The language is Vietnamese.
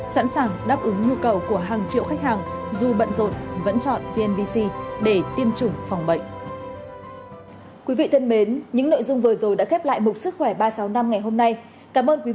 sẵn sàng đáp ứng nhu cầu của hàng triệu khách hàng dù bận rộn vẫn chọn vnvc để tiêm chủng phòng bệnh